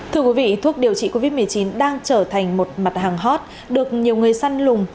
thưa quý vị thuốc điều trị covid một mươi chín đang trở thành một mặt hàng hot được nhiều người săn lùng